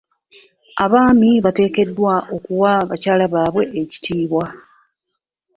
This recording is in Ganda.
Abaami bateekeddwa okuwa bakyala baabwe ekitiibwa.